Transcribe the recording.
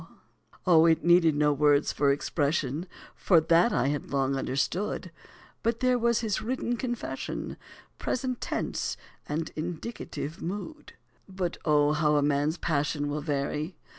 O, it needed no words for expression, For that I had long understood; But there was his written confession Present tense and indicative mood. But O, how man's passion will vary!